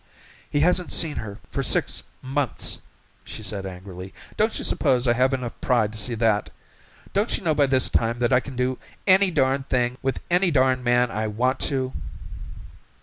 "He hasn't seen her for six months," she said angrily. "Don't you suppose I have enough pride to see to that? Don't you know by this time that I can do any darn thing with any darn man I want to?"